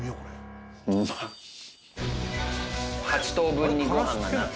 ８等分にご飯がなってる。